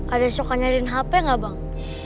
ada suka nyariin hp gak bang